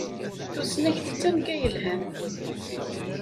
Tusnakt d tanga yelhan.